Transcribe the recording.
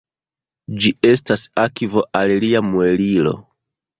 Ĝi estas akvo al lia muelilo.